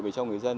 về cho người dân